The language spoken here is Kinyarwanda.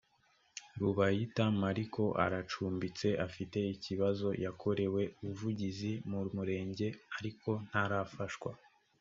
rubayita mariko aracumbitse afite ikibazo yakorewe ubuvugizi mu murenge ariko ntarafashwa